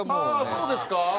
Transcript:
そうですか？